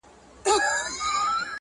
او که جوړېږي نه؛ نو نړېږي هم نه